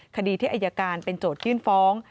คดีที่อายการเป็นโจทยื่นฟ้อง